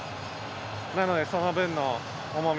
なので、その分の重み。